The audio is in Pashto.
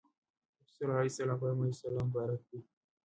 رسول الله صلی الله عليه وسلم فرمایلي چې سلام مبارک دی.